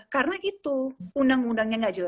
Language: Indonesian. karena itu undang undangnya nggak jelas